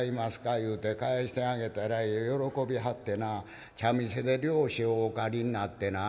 言うて返してあげたらえろう喜びはってな茶店で料紙をお借りになってな」。